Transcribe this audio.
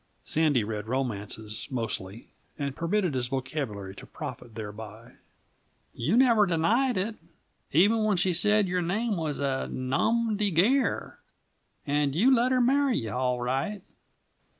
(Sandy read romances, mostly, and permitted his vocabulary to profit thereby.) "You never denied it, even when she said your name was a nomdy gair; and you let her marry you, all right."